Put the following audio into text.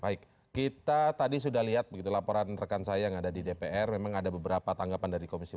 baik kita tadi sudah lihat begitu laporan rekan saya yang ada di dpr memang ada beberapa tanggapan dari komisi tiga